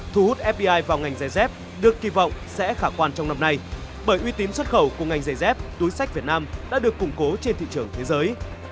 thu hút fdi vào ngành da dày dép được kỳ vọng sẽ khả quan trong năm nay bởi uy tím xuất khẩu của ngành da dày dép túi sách việt nam đã được củng cố trên thị trường thế giới